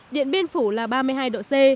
điện biên phủ là ba mươi hai độ c